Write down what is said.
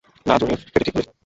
না Juni, Fetty ঠিক বলেছিল।